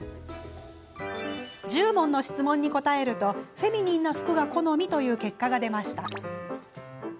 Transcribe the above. １０問の質問に答えるとフェミニンな服が好みという結果が出ました。